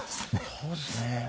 そうですね。